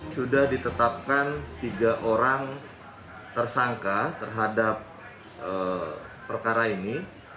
sudah ditetapkan tiga orang tersangka terhadap perkara ini